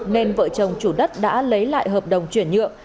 nên vợ chồng chủ đất đã lấy lại hợp đồng chuyển nhượng